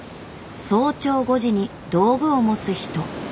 早朝５時に道具を持つ人。